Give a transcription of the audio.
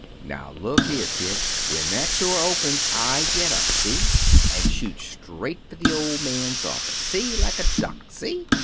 "Now, look here, kid. When that door opens I get up. See? And shoot straight for the old man's office. See? Like a duck. See?